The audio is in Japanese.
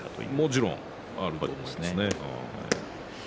もちろんあると思いますね。